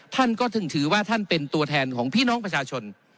ท่านก็ถึงถือว่าท่านเป็นตัวแทนของพี่น้องประชาชน